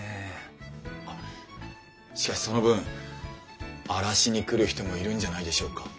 あっしかしその分荒らしに来る人もいるんじゃないでしょうか？